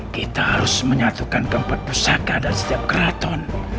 kita harus menyatukan keempat pusaka dan setiap keraton